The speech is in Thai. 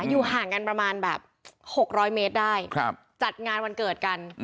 อยู่ห่างกันประมาณแบบ๖๐๐เมตรได้จัดงานวันเกิดกัน